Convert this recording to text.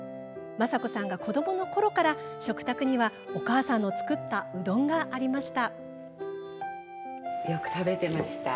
昌子さんが子どものころから食卓にはお母さんの作ったうどんがありました。